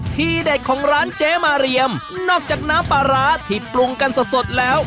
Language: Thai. ที่เด็ดของร้านเจ๊มาเรียมนอกจากน้ำปลาร้าที่ปรุงกันสดสดแล้ว